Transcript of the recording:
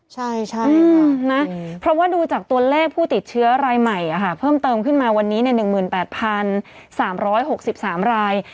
ใช่ค่ะนะเพราะว่าดูจากตัวเลขผู้ติดเชื้อรายใหม่เพิ่มเติมขึ้นมาวันนี้๑๘๓๖๓ราย